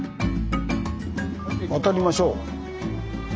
渡りましょう。